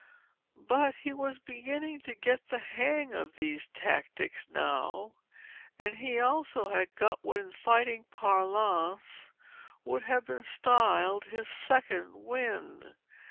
But he was beginning to get the hang of these tactics now; and he also had got what in fighting parlance would have been styled his second wind.